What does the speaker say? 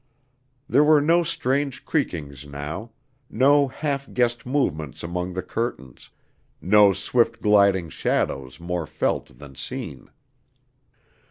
There were no strange creakings now, no half guessed movements among the curtains, no swift gliding shadows more felt than seen.